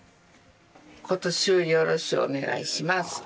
今年もよろしくお願いします。